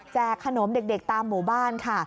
ขนมเด็กตามหมู่บ้านค่ะ